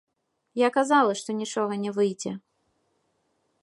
Я казала, што нічога не выйдзе.